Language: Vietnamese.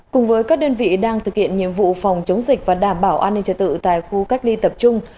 cùng với các đơn vị đang thực hiện nhiệm vụ phòng chống dịch và đảm bảo an ninh trật tự tại khu cách ly tập trung